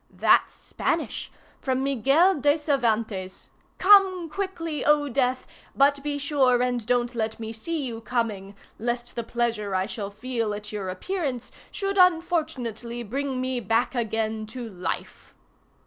"That's Spanish—from Miguel de Cervantes. 'Come quickly, O death! but be sure and don't let me see you coming, lest the pleasure I shall feel at your appearance should unfortunately bring me back again to life.